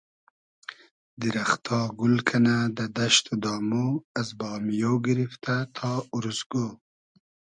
دیرئختا گول کئنۂ دۂ دئشت و دامۉ از بامیۉ گیریفتۂ تا اوروزگۉ